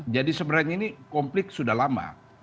sebenarnya ini konflik sudah lama